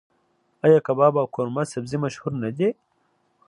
آیا کباب او قورمه سبزي مشهور نه دي؟